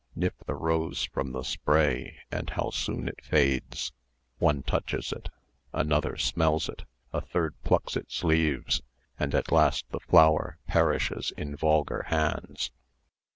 Nip the rose from the spray, and how soon it fades! One touches it, another smells it, a third plucks its leaves, and at last the flower perishes in vulgar hands.